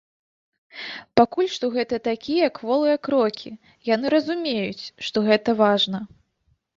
Пакуль што гэта такія кволыя крокі, яны разумеюць, што гэта важна.